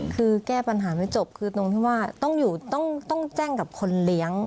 คือแก้ปัญหาไม่จบคือตรงที่ว่าต้องอยู่ต้องแจ้งกับคนเลี้ยง